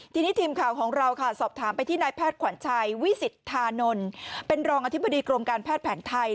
ทีนี้ทีมข่าวของเราค่ะสอบถามไปที่นายแพทย์ขวัญชัยวิสิทธานนท์เป็นรองอธิบดีกรมการแพทย์แผนไทย